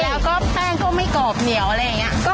แล้วก็แป้งก็ไม่กรอบเหนียวอะไรอย่างนี้